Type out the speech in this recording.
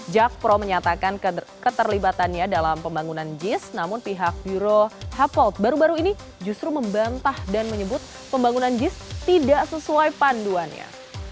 jakpro menyatakan keterlibatannya dalam pembangunan jis namun pihak euro heapol baru baru ini justru membantah dan menyebut pembangunan jis tidak sesuai panduannya